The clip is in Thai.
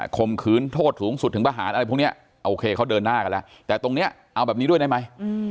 ข่มขืนโทษสูงสุดถึงประหารอะไรพวกนี้โอเคเขาเดินหน้ากันแล้วแต่ตรงนี้เอาแบบนี้ด้วยได้ไหม